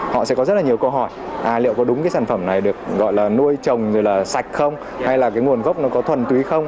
họ sẽ có rất nhiều câu hỏi liệu có đúng sản phẩm này được nuôi trồng sạch không hay là nguồn gốc nó có thuần túy không